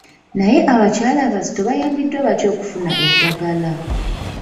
Naye abakyala abazito bayambiddwa batya okufuna eddagala?